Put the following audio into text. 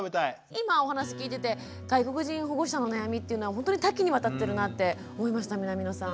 今お話聞いてて外国人保護者の悩みっていうのはほんとに多岐にわたってるなって思いました南野さん。